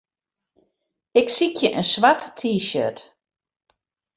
Ik sykje in swart T-shirt.